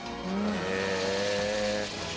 へえ。